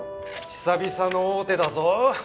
久々の大手だぞ。